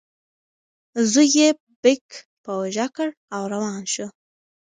زوی یې بیک په اوږه کړ او روان شو.